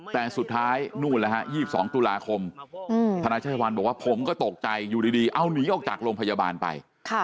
แต่สุดท้ายนู่นแล้วฮะ๒๒ตุลาคมธนาชวันบอกว่าผมก็ตกใจอยู่ดีเอาหนีออกจากโรงพยาบาลไป